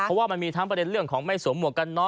เพราะว่ามันมีทั้งประเด็นเรื่องของไม่สวมหวกกันน็